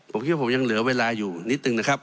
ผมคิดว่าผมยังเหลือเวลาอยู่นิดนึงนะครับ